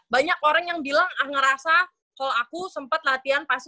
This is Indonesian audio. banyak orang yang bilang ah ngerasa kalau aku sempat latihan pasti